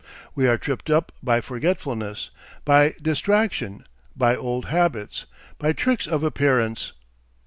We are tripped up by forgetfulness, by distraction, by old habits, by tricks of appearance.